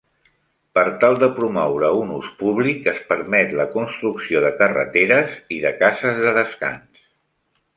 Per tal de promoure un ús públic, es permet la construcció de carreteres i de cases de descans.